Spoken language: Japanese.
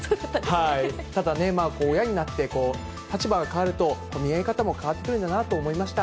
ただね、親になって立場が変わると、見え方も変わってくるんだなと思いました。